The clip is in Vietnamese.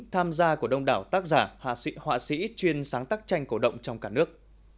tham gia của đông đảo tác giả họa sĩ chuyên sáng tác tranh cổ động trong cả nước